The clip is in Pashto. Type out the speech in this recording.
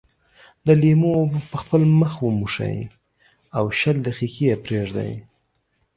د لیمو اوبه په خپل مخ وموښئ او شل دقيقې یې پرېږدئ.